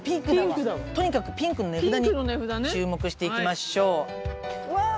とにかくピンクの値札に注目していきましょう。